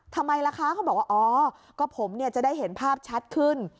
ทำไมล่ะคะเขาบอกว่าอ๋อก็ผมเนี่ยจะได้เห็นภาพชัดขึ้น